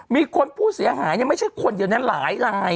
มีคนผู้เสียหายเนี่ยไม่ใช่คนเดี๋ยวนั้นหลายเนี่ย